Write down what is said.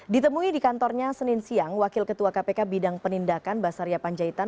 ditemui di kantornya senin siang wakil ketua kpk bidang penindakan basaria panjaitan